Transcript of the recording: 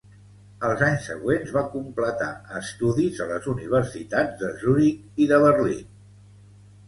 Els anys següents va completar estudis a les universitats de Zuric i de Berlín.